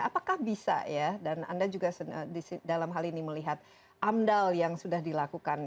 apakah bisa ya dan anda juga dalam hal ini melihat amdal yang sudah dilakukan